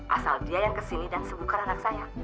asal dia yang kesini dan sebutkan anak saya